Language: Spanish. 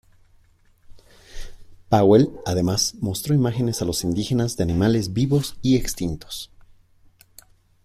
Powell, además, mostró imágenes a los indígenas de animales vivos y extintos.